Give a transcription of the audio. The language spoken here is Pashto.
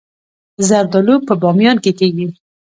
زردالو په بامیان کې کیږي